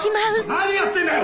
何やってんだよ！